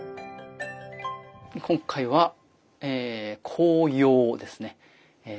今回は紅葉ですね。